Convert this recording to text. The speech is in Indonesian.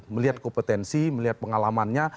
melihat kompetensi melihat pengalamannya